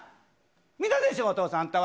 見たでしょ、お父さん、あんたは。